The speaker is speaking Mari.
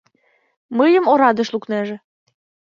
Мыйым орадыш лукнеже!